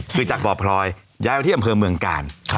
คือจากบ่อพลอยย้ายไปที่อำเภอเมืองกาล